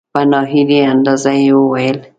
په نا هیلي انداز یې وویل .